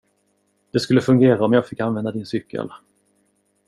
Det skulle fungera om jag fick använda din cykel.